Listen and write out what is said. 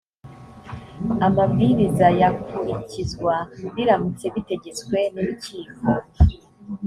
amabwiriza yakurikizwa biramutse bitegetswe n urukiko